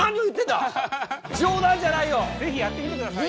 是非やってみてくださいよ。